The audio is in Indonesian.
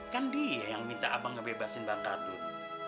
kan dia yang minta abang ngebebasin bang kardun